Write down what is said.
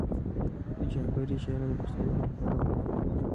د جعفری شیره د پښتورګو لپاره وکاروئ